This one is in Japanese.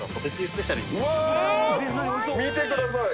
見てください。